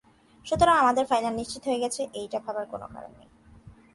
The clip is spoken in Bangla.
সুতরাং আমাদের ফাইনাল নিশ্চিত হয়ে গেছে, এটা ভাবার কোনো কারণ নেই।